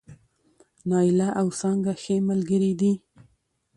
نايله او څانګه ښې ملګرې دي